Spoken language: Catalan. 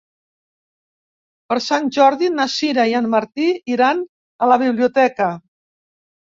Per Sant Jordi na Sira i en Martí iran a la biblioteca.